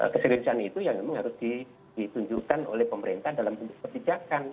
keseriusan itu ya memang harus ditunjukkan oleh pemerintah dalam bentuk kebijakan